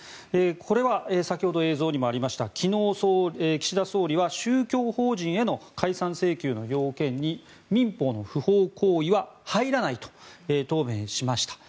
これは先ほど映像にもありました昨日、岸田総理は宗教法人への解散請求の要件に民法の不法行為は入らないと答弁しました。